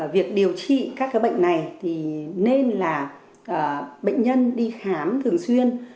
việc điều trị các bệnh này thì nên là bệnh nhân đi khám thường xuyên